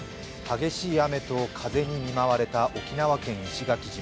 激しい雨と風に見舞われた沖縄県石垣島。